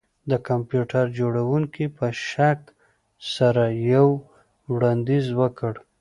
د کمپیوټر جوړونکي په شک سره یو وړاندیز وکړ